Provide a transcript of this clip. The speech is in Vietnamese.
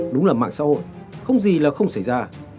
đúng là mạng xã hội không gì là không xảy ra